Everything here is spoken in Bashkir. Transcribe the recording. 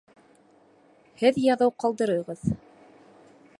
Һеҙ яҙыу ҡалдырығыҙ